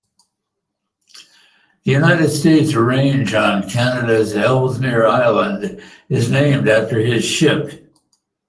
The United States Range on Canada's Ellesmere Island is named after his ship.